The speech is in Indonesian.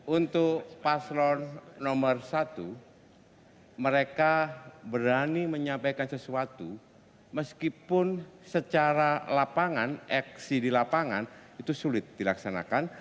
untuk paslon nomor satu mereka berani menyampaikan sesuatu meskipun secara lapangan eksi di lapangan itu sulit dilaksanakan